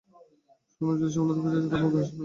শোনো, যদি সফলতা পেতে চাও, তবে মুখে হাসি রাখো।